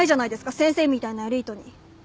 先生みたいなエリートに。